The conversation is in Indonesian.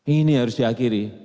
ini harus diakhiri